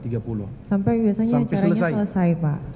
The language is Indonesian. sampai biasanya acaranya selesai pak